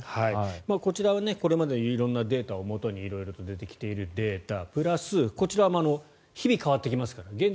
こちらはこれまでの色々なデータをもとに色々と出てきているデータプラス、こちらは日々変わってきますから現状